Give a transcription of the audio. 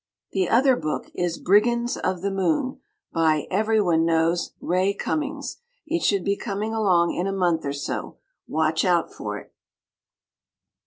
The other book is "Brigands of the Moon," by everyone knows Ray Cummings. It should be coming along in a month or so. Watch out for it!